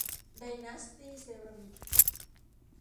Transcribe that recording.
ไดนาสตี้เซรามิค